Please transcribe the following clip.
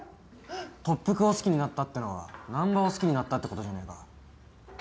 特服を好きになったってのは難破を好きになったってことじゃねえか。